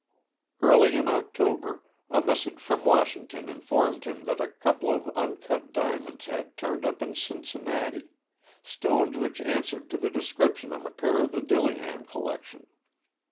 Early in October a message from Washington informed him that a couple of uncut diamonds had turned up in Cincinnati, stones which answered to the description of a pair in the Dillingham collection.